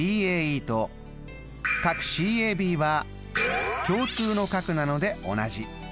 ＤＡＥとＣＡＢは共通の角なので同じ。